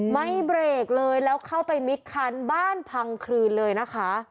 ไม่เบรกเลยแล้วเข้าไปมิดคันบ้านพังคลืนเลยนะคะ